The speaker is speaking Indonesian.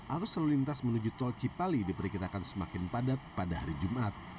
arus lalu lintas menuju tol cipali diperkirakan semakin padat pada hari jumat